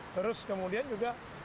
terus kemudian juga